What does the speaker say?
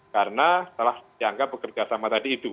karena setelah dianggap bekerja sama tadi itu